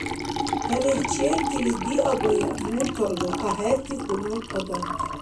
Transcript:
ТалихӀчертили диабая мурталра, ахӀерти хьунул адамти!